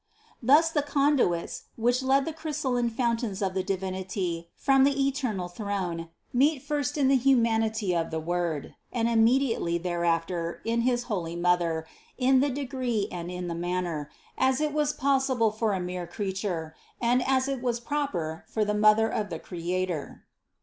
Thus the conduits, which led the crystalline fountains of the Divinity from the eternal throne, meet first in the humanity of the Word and immediately there after in his holy Mother in the degree and in the manner, as it was possible for a mere creature, and as it was proper for the Mother of the Creator.